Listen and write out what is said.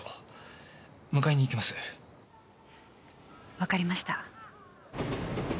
わかりました。